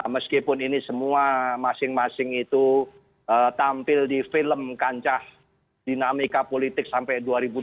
meskipun ini semua masing masing itu tampil di film kancah dinamika politik sampai dua ribu dua puluh